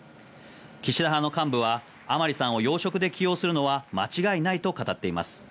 岸田派の幹部は甘利さんを要職で起用するのは間違いないと語っています。